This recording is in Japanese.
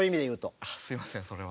すいませんそれは。